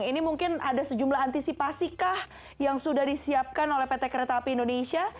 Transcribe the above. ini mungkin ada sejumlah antisipasikah yang sudah disiapkan oleh pt kereta api indonesia